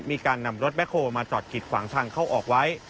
มีการนำรถแคลมาจอดกิดขวางทางเข้าออกไว้